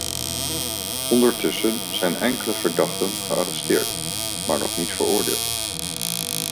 Ondertussen zijn enkele verdachten gearresteerd, maar nog niet veroordeeld.